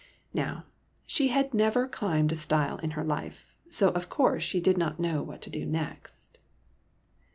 Now, she had never climbed a stile in her life, so of course she did not know what to do next.